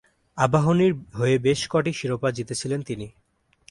আবাহনীর হয়ে বেশ ক’টি শিরোপা জিতেছিলেন তিনি।